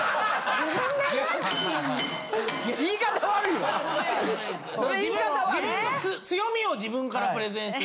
自分の強みを自分からプレゼンして。